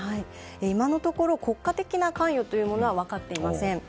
今のところ、国家的な関与は分かっていません。